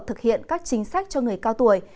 thực hiện các chính sách cho người cao tuổi